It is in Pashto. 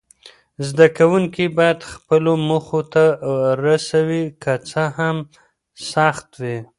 زده کوونکي باید خپلو موخو ته رسوي، که څه هم سختۍ وي.